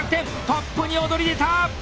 トップに躍り出た！